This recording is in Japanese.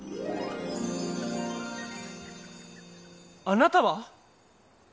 ・あなたは？